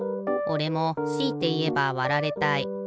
おれもしいていえばわられたい。